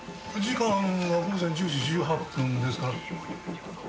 時間は午前１０時１８分ですから。